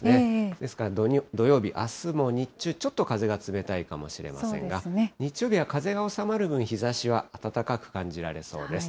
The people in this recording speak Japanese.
ですから、土曜日、あすも日中、ちょっと風が冷たいかもしれませんが、日曜日は風が収まる分、日ざしは暖かく感じられそうです。